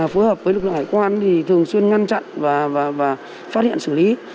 phối hợp với lực lượng hải quan thì thường xuyên ngăn chặn và phát hiện xử lý